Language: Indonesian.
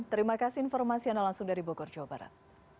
terima kasih informasi anda langsung dari bogor jawa barat